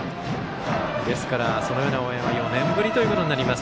ですからそのような応援は４年ぶりとなります。